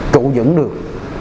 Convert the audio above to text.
trụ dẫn được